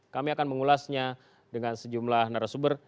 kami akan mengulasnya dengan sejumlah narasumber